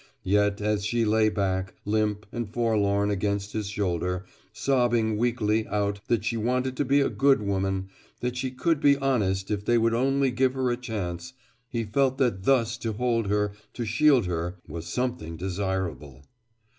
Yet as she lay back, limp and forlorn against his shoulder, sobbing weakly out that she wanted to be a good woman, that she could be honest if they would only give her a chance, he felt that thus to hold her, to shield her, was something desirable.